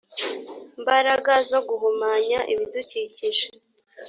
mbaraga zo guhumanya ibidukikije